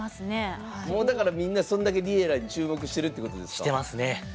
だからみんなそれだけＬｉｅｌｌａ！に注目してるってことですか。